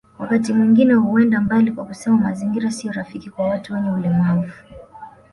Wakati mwingine huenda mbali kwa kusema mazingira sio rafiki kwa watu wenye ulemavu